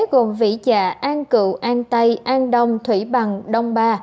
gồm vĩ dạ an cựu an tây an đông thủy bằng đông ba